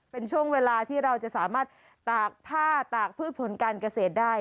เป็นช่วงเวลาที่เราจะสามารถตากผ้าตากพืชผลการเกษตรได้